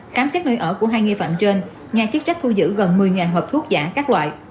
khám xét nơi ở của hai nghi phạm trên nhà chức trách thu giữ gần một mươi hộp thuốc giả các loại